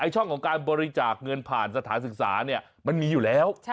ช่องของการบริจาคเงินผ่านสถานศึกษามันมีอยู่แล้ว